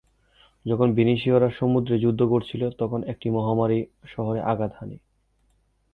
যখন ভেনিসীয়রা সমুদ্রে যুদ্ধ করছিল, তখন একটা মহামারী শহরে আঘাত হানে।